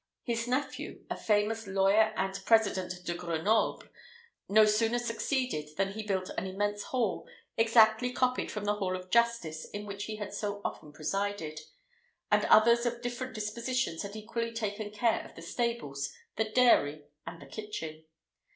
His nephew, a famous lawyer and President de Grenoble, no sooner succeeded, than he built an immense hall, exactly copied from the hall of justice in which he had so often presided; and others of different dispositions had equally taken care of the stables, the dairy, and the kitchen.